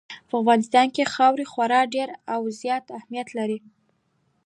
په افغانستان کې خاوره خورا ډېر او زیات اهمیت لري.